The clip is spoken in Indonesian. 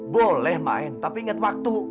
boleh main tapi ingat waktu